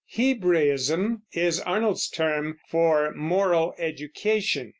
"Hebraism" is Arnold's term for moral education.